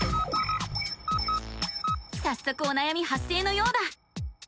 さっそくおなやみ発生のようだ！